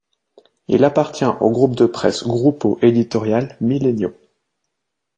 Il appartient au groupe de presse Grupo Editorial Milenio.